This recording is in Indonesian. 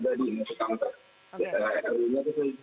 karena ruu nya itu sudah siap